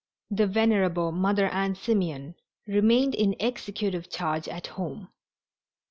The venerable Mother Ann Simeon remained in executive charge at home.